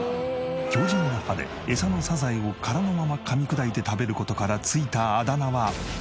強靱な歯でエサのサザエを殻のままかみ砕いて食べる事から付いたあだ名はサザエワリ。